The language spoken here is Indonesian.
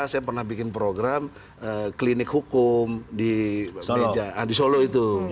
saya pernah bikin program klinik hukum di solo itu